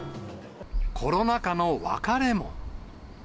コロナ禍の別れも。